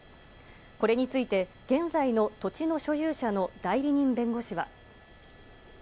これについて、現在の土地の所有者の代理人弁護士は。